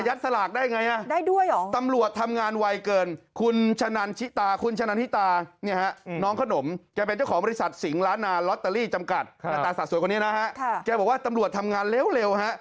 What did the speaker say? อัตราสาสวยคนนี้นะฮะแกบอกว่าตำรวจทำงานเร็วฮะ